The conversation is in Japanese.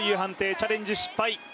チャレンジ失敗。